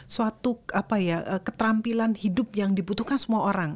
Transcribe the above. suatu keterampilan hidup yang dibutuhkan semua orang